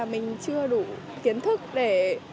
mình chưa đủ kiến thức để